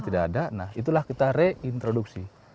tidak ada nah itulah kita reintroduksi